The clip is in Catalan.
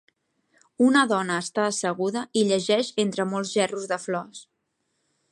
Una dona està asseguda i llegeix entre molts gerros de flors.